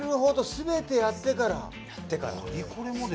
全てやってから。